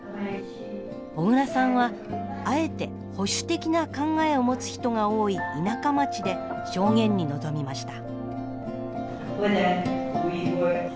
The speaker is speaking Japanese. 小倉さんはあえて保守的な考えを持つ人が多い田舎町で証言に臨みました。